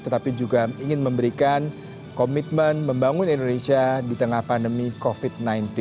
tetapi juga ingin memberikan komitmen membangun indonesia di tengah pandemi covid sembilan belas